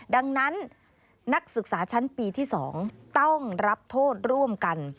ดังนั้นนักศึกษาชั้นปีที่๒ต้องรับโทษร่วมกัน